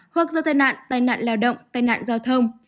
hoặc do tai nạn tai nạn lao động tai nạn giao thông